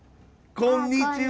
こんにちは。